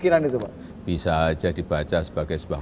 yang itu yang berarti yang sudah diberi kesempatan